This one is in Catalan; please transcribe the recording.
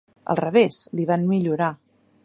Al revés, li van millorar.